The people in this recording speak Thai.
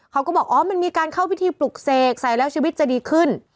เขาก็บอกอ๋อมันมีการเข้าพิธีปลุกเสกใส่แล้วชีวิตจะดีขึ้น